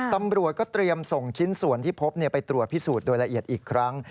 ตำรวจก็เตรียมส่งชิ้นส่วนที่พบไปตรวจพิสูจน์โดยละเอียดอีกครั้ง